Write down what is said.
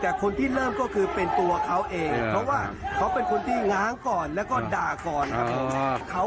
แต่คนที่เริ่มก็คือเป็นตัวเขาเองเพราะว่าเขาเป็นคนที่ง้างก่อนแล้วก็ด่าก่อนครับผม